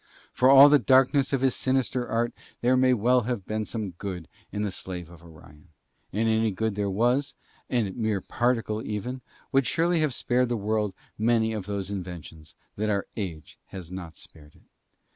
For all the darkness of his sinister art there may well have been some good in the Slave of Orion; and any good there was, and mere particle even, would surely have spared the world many of those inventions that our age has not spared it.